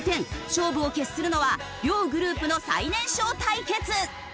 勝負を決するのは両グループの最年少対決！